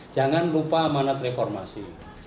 jangan lupa amanat reformasi